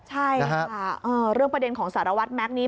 ใช่ค่ะเรื่องประเด็นของสารวัตรแม็กซนี้